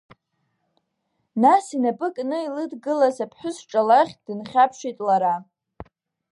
Нас инапы кны илыдгылаз аԥҳәыс ҿа лахь дынхьаԥшит лара…